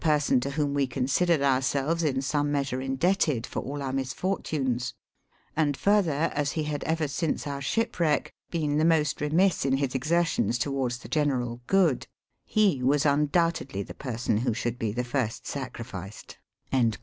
person to whom we considered ourselves in , ome measure indebted for all our misfortunes ; and further, as he had ever since our shipwreck been the most remiss in his exertions towards the general good — he was undoubtedly the person j who should be the first sacrificed."